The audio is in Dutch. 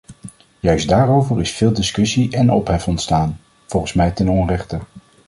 Juist daarover is veel discussie en ophef ontstaan, volgens mij ten onrechte.